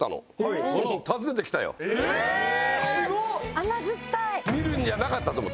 甘酸っぱい。